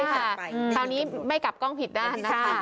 คราวนี้ไม่กลับกล้องผิดหน้า